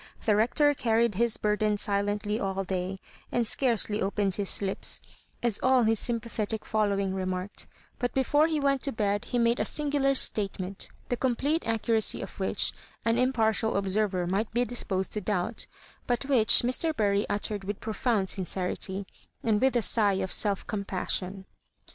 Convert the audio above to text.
The Hector carried his burden sil^Qtly all day, and scarcely opened his lips, as all his sympathetic following remarked; but before he wdat to bed he made a singular statement, the complete accuracy of which an impartial observer might be disposed to doubt, but which Mr. Bury uttered with profound sincerity, and with a sigh of self compassion.